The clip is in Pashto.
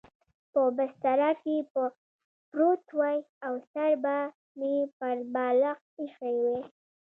په بستره کې به پروت وای او سر به مې پر بالښت اېښی و.